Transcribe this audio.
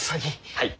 はい。